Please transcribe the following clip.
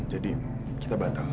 jadi kita batal